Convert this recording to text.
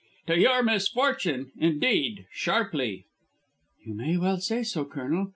"To your misfortune, indeed! sharply. "You may well say so, Colonel.